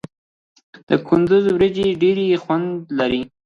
د کندز وریجې ډیر خوند لري.